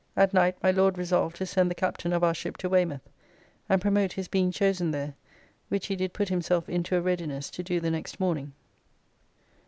At night, my Lord resolved to send the Captain of our ship to Waymouth and promote his being chosen there, which he did put himself into a readiness to do the next morning.